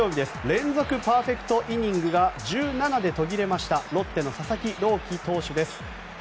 連続パーフェクトイニングが１７で途切れましたロッテの佐々木朗希投手です。